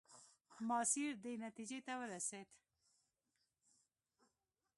ماسیر دې نتیجې ته ورسېد.